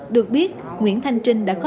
được biết nguyễn thành trinh đã có